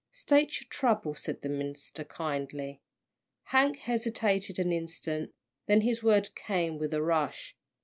"State your trouble," said the minister, kindly. Hank hesitated an instant, then his words came with a rush.